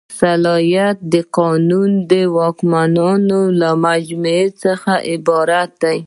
صلاحیت د قانوني واکونو له مجموعې څخه عبارت دی.